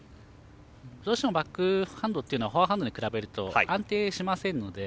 どうしてもバックハンドはフォアハンドに比べると安定しませんので。